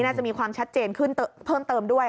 น่าจะมีความชัดเจนขึ้นเพิ่มเติมด้วย